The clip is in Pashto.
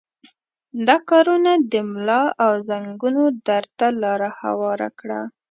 دا کارونه د ملا او زنګنونو درد ته لاره هواره کړه.